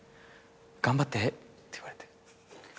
「頑張って」って言われて。